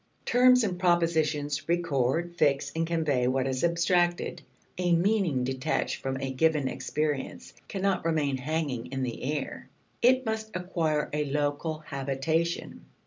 Terms and propositions record, fix, and convey what is abstracted. A meaning detached from a given experience cannot remain hanging in the air. It must acquire a local habitation.